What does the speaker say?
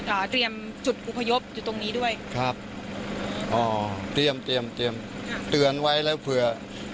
อ่าเตรียมจุดอพยพอยู่ตรงนี้ด้วยครับอ๋อเตรียมเตรียมเตือนไว้แล้วเผื่อ